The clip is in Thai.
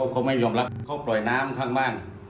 เขาไม่ยอมรับเขาปล่อยน้ำข้างบ้าน